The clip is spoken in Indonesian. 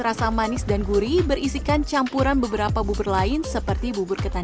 rasa manis dan gurih berisikan campuran beberapa bubur lain seperti bubur ketan